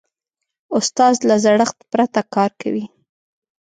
استاد له زړښت پرته کار کوي.